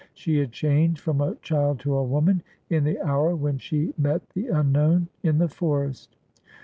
She had changed from a child to a woman, in the hour when she met the unknown in the forest.